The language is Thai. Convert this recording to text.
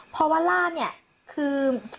เพราะว่าฉัน